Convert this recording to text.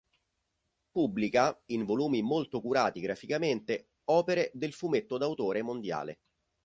Pubblica, in volumi molto curati graficamente, opere del fumetto d'autore mondiale.